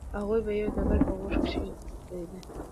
هغوى به يو د بل په غوږ کښې سره پسېدل.